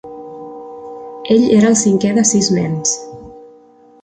Ell era el cinquè de sis nens.